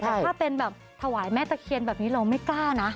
แต่ถ้าเป็นแบบถวายแม่ตะเคียนแบบนี้เราไม่กล้านะ